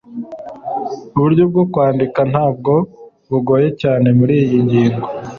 uburyo bwo kwandika ntabwo bugoye cyane muriyi ngingo